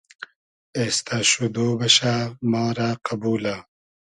اېستۂ شودۉ بئشۂ ما رۂ قئبولۂ